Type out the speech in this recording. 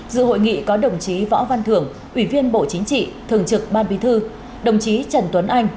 dự hội nghị có đồng chí võ văn thưởng ủy viên bộ chính trị thường trực ban bí thư đồng chí trần tuấn anh